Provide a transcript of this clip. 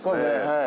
はい。